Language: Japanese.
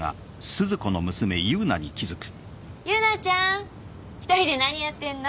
優奈ちゃん１人で何やってんの？